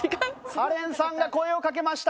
カレンさんが声をかけました。